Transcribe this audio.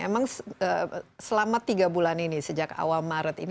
emang selama tiga bulan ini sejak awal maret ini